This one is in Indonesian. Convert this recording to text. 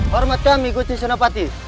hormat kami gusti senopati